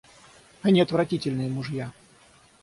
Они отвратительные мужья.